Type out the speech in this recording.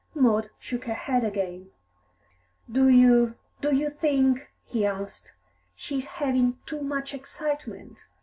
Maud shook her head again. "Do you do you think," he asked, "she is having too much excitement?